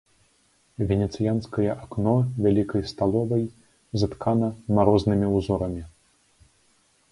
Венецыянскае акно вялікай сталовай заткана марознымі ўзорамі.